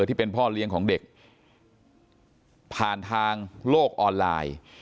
ที่เป็นพ่อเลี้ยงของเด็กผ่านทางโลกออนไลน์